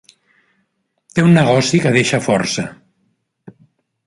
Té un negoci que deixa força.